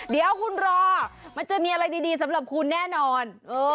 เดี๋ยวคุณรอมันจะมีอะไรดีสำหรับคุณแน่นอน